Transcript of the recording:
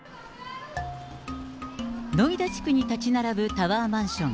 ノイダ地区に建ち並ぶタワーマンション。